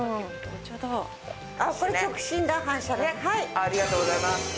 ありがとうございます。